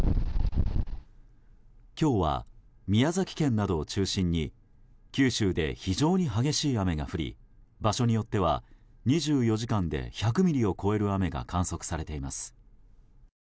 今日は宮崎県などを中心に九州で非常に激しい雨が降り場所によっては２４時間で１００ミリを超える雨が観測されています。